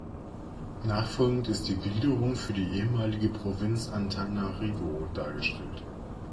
Nachfolgend ist die Gliederung für die ehemalige Provinz Antananarivo dargestellt.